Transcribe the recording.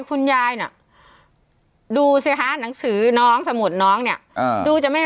คุณยายน่ะดูสิฮะหนังสือน้องสมุดน้องเนี่ยอ่าดูจะไม่